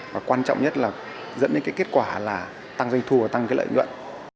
và quan trọng nhất là dẫn đến cái kết quả là tăng doanh thu và tăng cái lợi nhuận